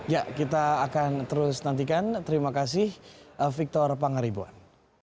ya kita akan terus nantikan terima kasih victor pangaribuan